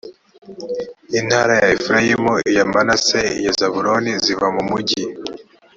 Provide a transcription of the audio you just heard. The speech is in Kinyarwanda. intara ya efurayimu iya manase n iya zabuloni ziva mu mugi